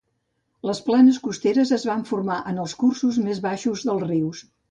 Les planes costaneres es van formar en els cursos més baixos dels rius.